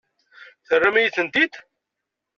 Terram-iyi-ten-id?